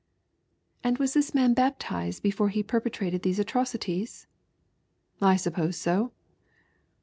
" And was this man baptized before be perpetrated \ theae atrocities ?"" I suppose so."